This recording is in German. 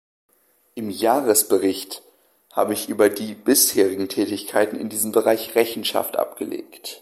Im Jahresbericht habe ich über die bisherigen Tätigkeiten in diesem Bereich Rechenschaft abgelegt.